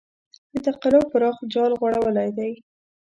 د تقلب پراخ جال غوړولی دی.